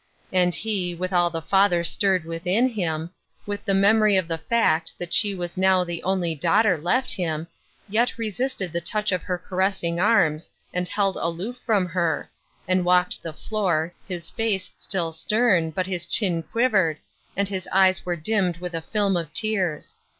And he, with all the father stirred within him, with the memory of the fact that she was now the only daughter left him, yet resisted the touch of her ca ressing arms, and held aloof from her, and walked the floor, his face still stern, but his chin quivered, and his eyes were dimmed with a film of tears.